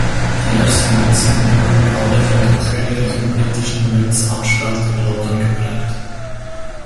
Die ersten Münzen wurden alle von der Königlichen Britischen Münzanstalt in London geprägt.